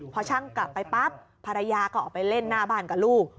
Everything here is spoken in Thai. พอช่างกลับไปปั๊บภรรยาก็ออกไปเล่นหน้าบ้านกับลูก